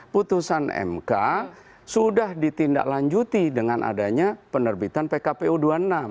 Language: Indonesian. putusan mk sudah ditindaklanjuti dengan adanya penerbitan pkpu dua puluh enam